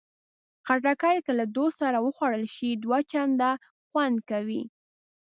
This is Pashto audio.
خټکی که له دوست سره وخوړل شي، دوه چنده خوند کوي.